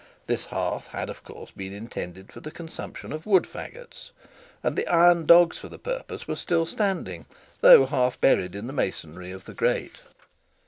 This hearth had of course been intended for the consumption of wood fagots, and the iron dogs for the purpose were still standing, though half buried in the masonry of the grate.